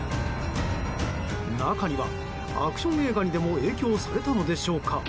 中には、アクション映画にでも影響されたのでしょうか